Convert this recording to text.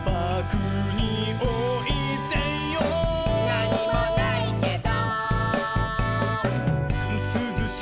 「なにもないけど」